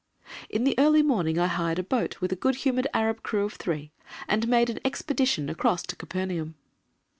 In the early morning, I hired a boat with a good humoured Arab crew of three, and made an expedition across to Capernaum.